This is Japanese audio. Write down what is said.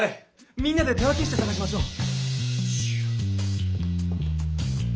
みんなで手分けして探しましょう。